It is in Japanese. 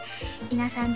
皆さん